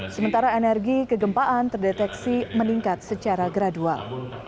sementara energi kegempaan terdeteksi meningkat secara gradual